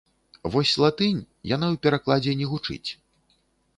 Вось латынь, яна ў перакладзе не гучыць.